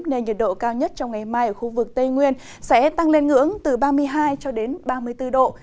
nên nhiệt độ cao nhất trong ngày mai ở khu vực tây nguyên sẽ tăng lên ngưỡng từ ba mươi hai cho đến ba mươi bốn độ